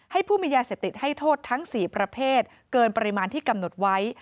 ผู้มียาเสพติดให้โทษทั้ง๔ประเภทเกินปริมาณที่กำหนดไว้